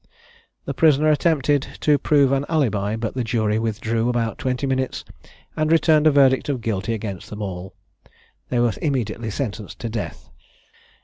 The prisoners attempted to prove an alibi, but the jury withdrew about twenty minutes, and returned a verdict of guilty against them all. They were immediately sentenced to death.